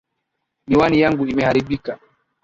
Miwani yangu imeharibika